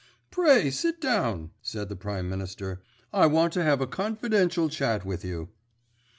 "Pray, sit down," said the Prime Minister. "I want to have a confidential chat with you."